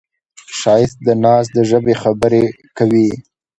ښایست د ناز د ژبې خبرې کوي